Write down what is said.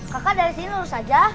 kakak dari sini lurus aja